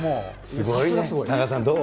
すごいね、田中さん、どう？